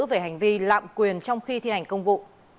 về hành vi lạm quyền trong khi thi hành công vụ